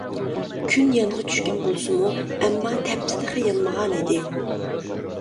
كۈن يانغا چۈشكەن بولسىمۇ، ئەمما تەپتى تېخى يانمىغانىدى.